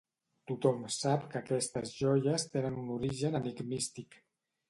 Tothom sap que aquestes joies tenen un origen enigmístic.